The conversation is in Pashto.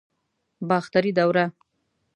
باختري دوره